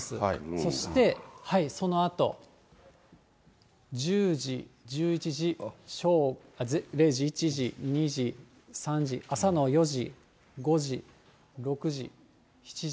そして、そのあと、１０時、１１時、０時、１時、２時、３時、朝の４時、５時、６時、７時。